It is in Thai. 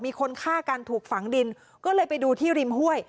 มีคนฆ่ากันถูกฝังดินก็เลยไปดูที่ริมห้วย